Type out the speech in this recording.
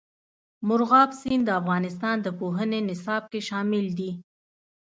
مورغاب سیند د افغانستان د پوهنې نصاب کې شامل دي.